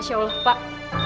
masya allah pak